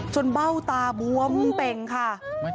จนเบ้าตาบวมเป็นค่ะ